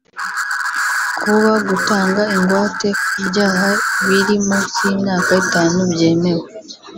Kuba gutanga ingwate ku byaha biri munsi y’imyaka itanu byemewe